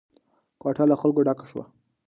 کوټه له خلکو ډکه شوه.